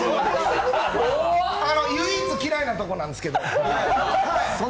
唯一、嫌いなとこなんですけど。